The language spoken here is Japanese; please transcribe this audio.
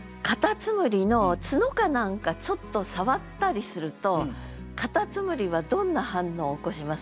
蝸牛の角か何かちょっと触ったりすると蝸牛はどんな反応を起こします？